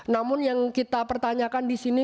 namun yang kita pertanyakan di sini